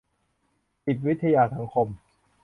จิตวิทยาสังคม